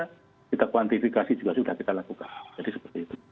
juga sudah kita lakukan jadi seperti itu